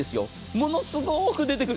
ものすごく出てくる。